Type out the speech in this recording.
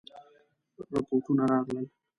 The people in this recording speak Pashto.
رپوټونه راغلل.